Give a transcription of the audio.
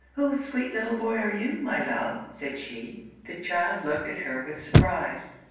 'Whose sweet little boy are you, my love?' said she. The child looked at her with surprise.